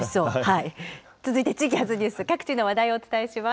続いて、地域発ニュース、各地の話題をお伝えします。